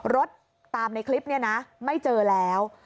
รถตามในคลิปนี้นะไม่เจอแล้ว